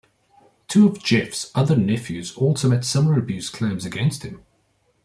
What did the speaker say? Two of Jeffs' other nephews also made similar abuse claims against him.